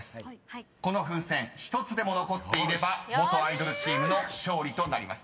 ［この風船１つでも残っていれば元アイドルチームの勝利となります］